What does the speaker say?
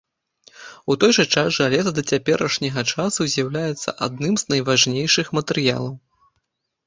У той жа час жалеза да цяперашняга часу з'яўляецца адным з найважнейшых матэрыялаў.